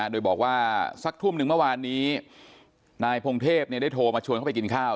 โดยบอกว่าสักทุ่มหนึ่งเมื่อวานนี้นายพงเทพได้โทรมาชวนเข้าไปกินข้าว